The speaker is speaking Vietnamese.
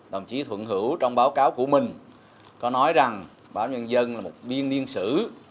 đồng chí thuận hữu trong báo cáo của mình có nói rằng báo nhân dân là một biên niên sử